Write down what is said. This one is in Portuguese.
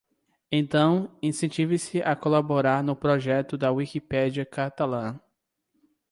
Então, incentive-se a colaborar no projeto da Wikipédia catalã.